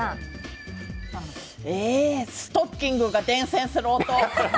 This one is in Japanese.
ストッキングが伝線する音。